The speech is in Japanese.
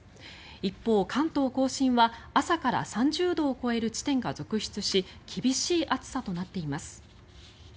一方、関東・甲信は朝から３０度を超える地点が続出し厳しい暑さとなっています。